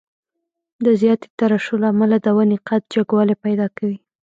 د زیاتې ترشح له امله د ونې قد جګوالی پیدا کوي.